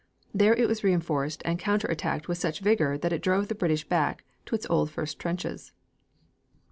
There it was reinforced and counter attacked with such vigor that it drove the British back to its old first trenches.